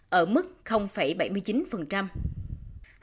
hàn quốc là một trong những quốc gia đầu tiên ghi nhận ca mắc covid